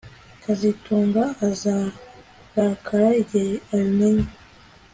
kazitunga azarakara igihe abimenye